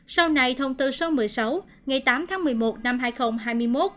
sau này thông tư số một mươi sáu ngày tám tháng một mươi một năm hai nghìn hai mươi một